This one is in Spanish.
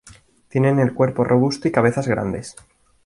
Tienen el cuerpo robusto y cabezas grandes.